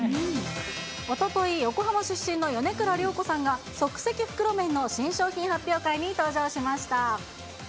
おととい、横浜出身の米倉涼子さんが、即席袋麺の新商品発表会に登場しました。